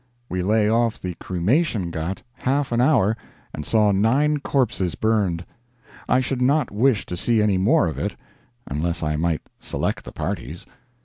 We lay off the cremation ghat half an hour and saw nine corpses burned. I should not wish to see any more of it, unless I might select the parties.